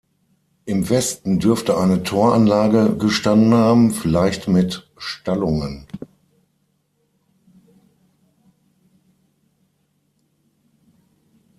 Im Westen dürfte eine Toranlage gestanden haben, vielleicht mit Stallungen.